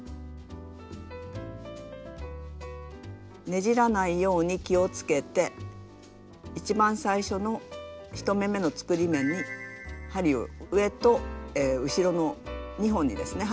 ねじらないように気をつけて一番最初の１目めの作り目に針を上と後ろの２本にですね